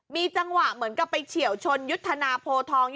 มีจังหวะเหมือนกับไปเฉียวชนยุทธนาโพทอง